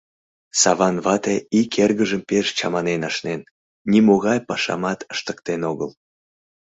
Саван вате ик эргыжым пеш чаманен ашнен, нимогай пашамат ыштыктен огыл.